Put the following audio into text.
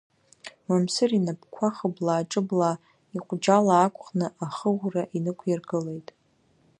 Мамсыр инапқәа хыблаа-ҿыблаа, иҟәџьал аақәхны ахыӷәра инықәиргылеит.